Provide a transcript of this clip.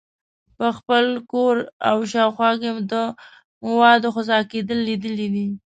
په خپل کور او شاوخوا کې د موادو خسا کیدل لیدلي دي.